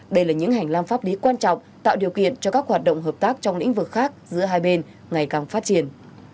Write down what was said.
đây là những hành lang pháp lý quan trọng tạo điều kiện cho các hoạt động hợp tác trong lĩnh vực khác giữa hai bên ngày càng phát triển